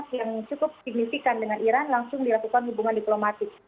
yang cukup signifikan dengan iran langsung dilakukan hubungan diplomatik